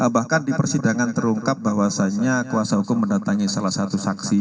bahkan di persidangan terungkap bahwasannya kuasa hukum mendatangi salah satu saksi